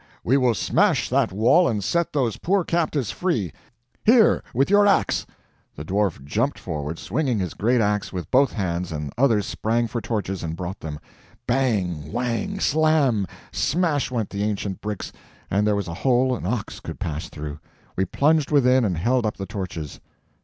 we will smash that wall and set those poor captives free. Here, with your ax!" The Dwarf jumped forward, swinging his great ax with both hands, and others sprang for torches and brought them. Bang!—whang!—slam!—smash went the ancient bricks, and there was a hole an ox could pass through. We plunged within and held up the torches.